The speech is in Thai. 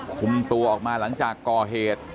คุมตัวออกมาหลังจากก่อเหตุ